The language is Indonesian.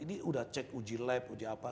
ini udah cek uji lab uji apa